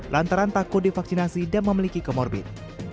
lantaran takut divaksinasi dan memiliki komorbit